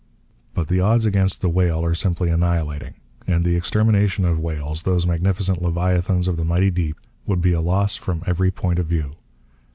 But the odds against the whale are simply annihilating. And the extermination of whales, those magnificent leviathans of the mighty deep, would be a loss from every point of view.